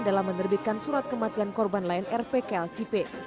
dalam menerbitkan surat kematian korban lain rpklkp